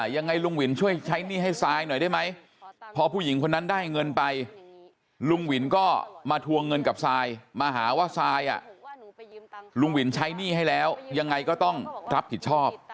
ยังไงลุงวินช่วยใช้หนี้ให้ซายหน่อยได้ไหมพอผู้หญิงคนนั้นได้เงินไปลุงวินก็มาทวงเงินกับซายมาหาว่าซายลุงวินใช้หนี้ให้แล้วยังไงก็ต้องรับผิดชอบ